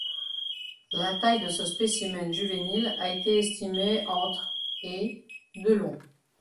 La taille de ce specimen juvénile a été estimée entre et de long.